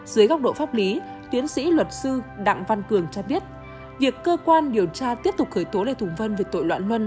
dưới góc độ pháp lý tiến sĩ luật sư đặng văn cường cho biết việc cơ quan điều tra tiếp tục khởi tố lê hùng vân về tội loạn luân